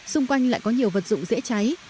xung quanh lại có nhiều vật dụng dễ cháy